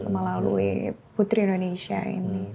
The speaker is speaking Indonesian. melalui putri indonesia ini